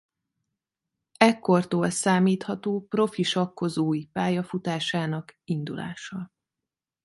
Ekkortól számítható profi sakkozói pályafutásának indulása.